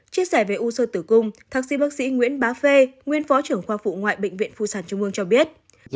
chia sẻ về u sơ tử cung thạc sĩ bác sĩ nguyễn bá phê nguyên phó trưởng khoa phụ ngoại bệnh viện phụ sản trung ương cho biết